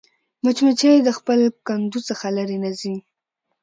مچمچۍ د خپل کندو څخه لیرې نه ځي